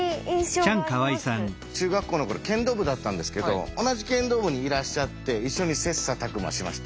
中学校の頃剣道部だったんですけど同じ剣道部にいらっしゃって一緒に切磋琢磨しました。